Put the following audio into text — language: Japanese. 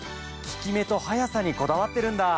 効き目と速さにこだわってるんだ。